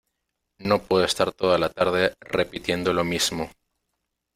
no puedo estar toda la tarde repitiendo lo mismo.